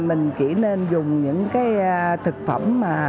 mình chỉ nên dùng những thực phẩm